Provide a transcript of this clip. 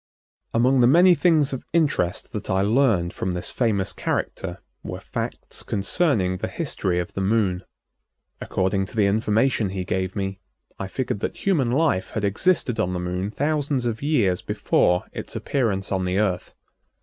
Among the many things of interest that I learned from this famous character were facts concerning the history of the Moon. According to the information he gave me, I figured that human life had existed on the Moon thousands of years before its appearance on the Earth.